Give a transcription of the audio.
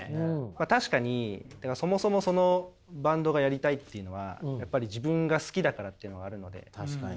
確かにそもそもそのバンドがやりたいっていうのはやっぱり自分が好きだからっていうのはあるので。